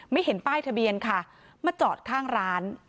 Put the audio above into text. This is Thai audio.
เห็นป้ายทะเบียนค่ะมาจอดข้างร้าน